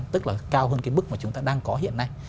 tức là cao hơn cái bức mà chúng ta đang có hiện nay